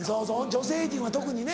女性陣は特にね。